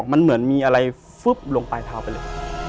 มันเหมือนมีอะไรฟึ๊บลงปลายเท้าไปเลย